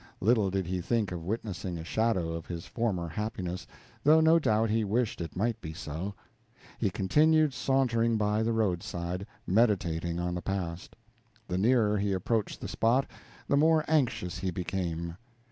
Little did he think of witnessing a shadow of his former happiness, though no doubt he wished it might be so. He continued sauntering by the roadside, meditating on the past. The nearer he approached the spot, the more anxious he became.